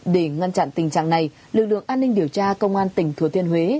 để ngăn chặn tình trạng này lực lượng an ninh điều tra công an tỉnh thừa thiên huế